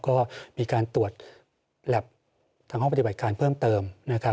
ก็มีการตรวจแล็บทางห้องปฏิบัติการเพิ่มเติมนะครับ